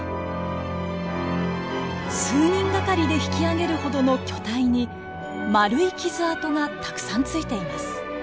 数人がかりで引き上げるほどの巨体に円い傷痕がたくさんついています。